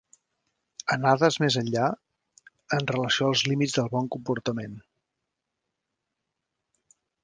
Anades més enllà, en relació als límits del bon comportament.